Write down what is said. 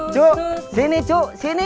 cuk sini cuk sini